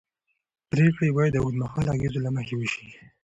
پرېکړې باید د اوږدمهاله اغېزو له مخې وشي